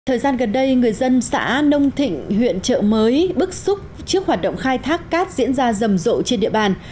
thời gian gần đây người dân xã nông thịnh huyện trợ mới bức xúc trước hoạt động khai thác cát diễn ra rầm rộ trên địa bàn